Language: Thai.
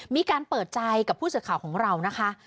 มีการเปิดใจกับผู้สื่อข่าวของเรานะคะ